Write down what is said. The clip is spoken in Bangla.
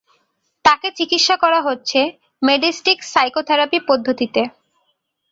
তাকে চিকিৎসা করা হচ্ছে মেডিষ্টিক সাইকোথেরাপি পদ্ধতিতে।